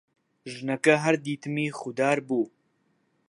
ژنەکە هەر دیتمی خودار بوو: